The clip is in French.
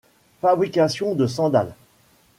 Fabrication de sandales.